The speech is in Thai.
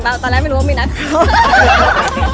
แต่ตอนนั้นไม่รู้ว่ามีนักเขา